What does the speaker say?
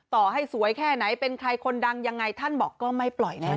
ต่อให้สวยแค่ไหนเป็นใครคนดังยังไงท่านบอกก็ไม่ปล่อยแน่